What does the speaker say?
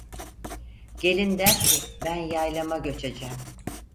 Gelin der ki ben yaylama göçecem.